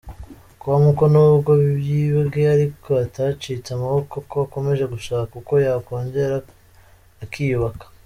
com ko n'ubwo yibwe ariko atacitse amaboko, ko akomeje gushaka uko yakongera akiyubaka.